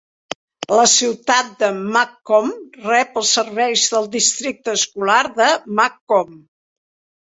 La ciutat de McComb rep els serveis del districte escolar de McComb.